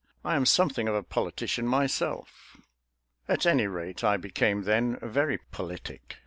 I am something of a politician myself — at any rate, I became, then, very politic.